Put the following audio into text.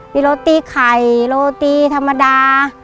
มีโรตีไข่โรตีธรรมดา